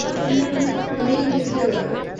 আমি দ্বিতীয় বার।